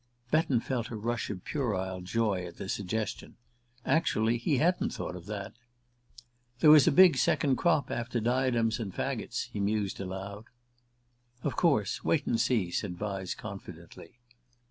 Betton felt a rush of puerile joy at the suggestion. Actually, he hadn't thought of that! "There was a big second crop after 'Diadems and Faggots,'" he mused aloud. "Of course. Wait and see," said Vyse confidently.